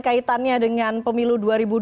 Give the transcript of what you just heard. kaitannya dengan pemilu dua ribu dua puluh